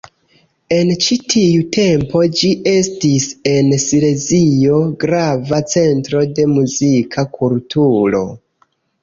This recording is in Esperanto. En ĉi tiu tempo ĝi estis en Silezio grava centro de muzika kulturo.